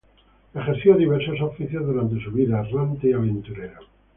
Ejerció diversos oficios durante su vida, errante y aventurera.